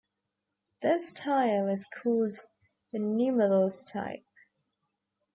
This style is called the Nummedals-type.